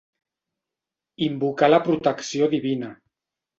Invocà la protecció divina.